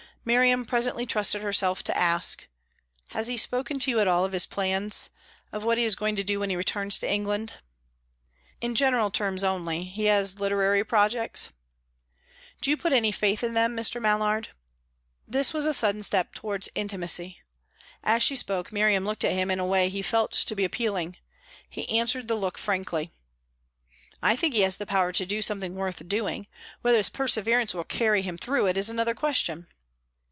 Miriam presently trusted herself to ask, "Has he spoken to you at all of his plans of what he is going to do when he returns to England?" "In general terms only. He has literary projects." "Do you put any faith in them, Mr. Mallard?" This was a sudden step towards intimacy. As she spoke, Miriam looked at him in a way that he felt to be appealing. He answered the look frankly. "I think he has the power to do something worth doing. Whether his perseverance will carry him through it, is another question."